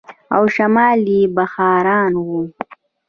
او شمال يې بخارا و.